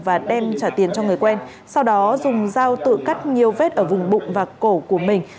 và đem trả tiền cho người quen sau đó dùng dao tự cắt nhiều vết ở vùng bụng và cổ của mình